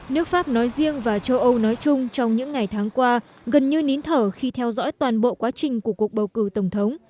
nước pháp nói riêng và châu âu nói chung trong những ngày tháng qua gần như nín thở khi theo dõi toàn bộ quá trình của cuộc bầu cử tổng thống